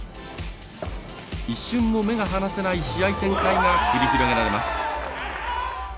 一瞬も目が離せない試合展開が繰り広げられます。